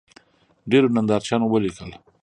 ډېرو نندارچیانو ولیکل